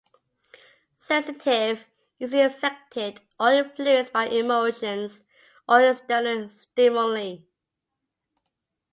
Sensitive - easily affected or influenced by emotions or external stimuli.